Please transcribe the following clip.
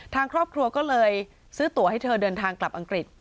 ทางครอบครัวก็เลยซื้อตัวให้เธอเดินทางกลับอังกฤษ